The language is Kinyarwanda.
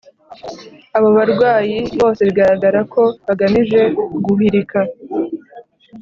abo barwanyi bose bigaragara ko bagamije guhirika